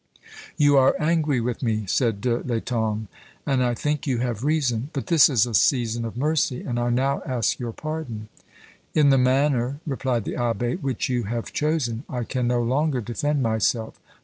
"You are angry with me," said De l'Etang, "and I think you have reason; but this is a season of mercy, and I now ask your pardon." "In the manner," replied the abbé, "which you have chosen, I can no longer defend myself.